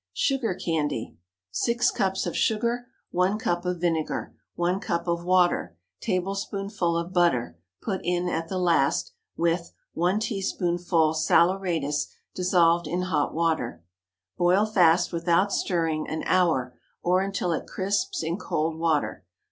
SUGAR CANDY. ✠ 6 cups of sugar. 1 cup of vinegar. 1 cup of water. Tablespoonful of butter, put in at the last, with 1 teaspoonful saleratus dissolved in hot water. Boil fast without stirring, an hour, or until it crisps in cold water.